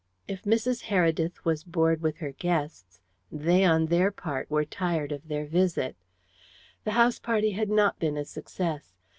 If Mrs. Heredith was bored with her guests they, on their part, were tired of their visit. The house party had not been a success.